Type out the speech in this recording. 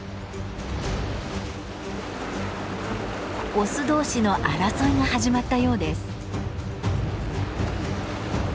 オス同士の争いが始まったようです。